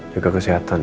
jaga kesehatan ma